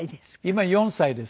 今４歳です。